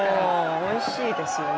おいしいですよね。